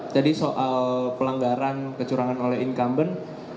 jadi soal pelanggaran kecurangan oleh incumbent